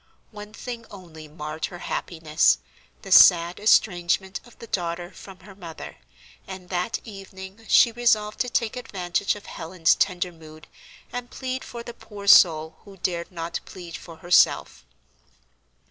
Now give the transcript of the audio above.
One thing only marred her happiness, the sad estrangement of the daughter from her mother, and that evening she resolved to take advantage of Helen's tender mood, and plead for the poor soul who dared not plead for herself.